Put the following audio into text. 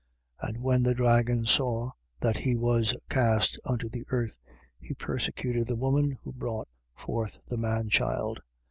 12:13. And when the dragon saw that he was cast unto the earth, he persecuted the woman who brought forth the man child.